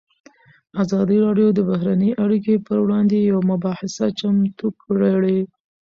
ازادي راډیو د بهرنۍ اړیکې پر وړاندې یوه مباحثه چمتو کړې.